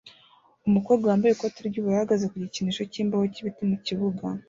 Umukobwa wambaye ikote ry'ubururu ahagaze ku gikinisho cyimbaho cyibiti mu kibuga